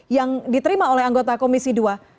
yang diterima oleh anggota komisi dua